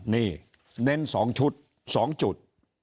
นี่เน้น๒จุด